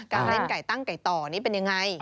การเล่นไก่ตั้งไก่ต่อนี่เป็นยังไง